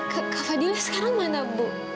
kak fadila sekarang mana bu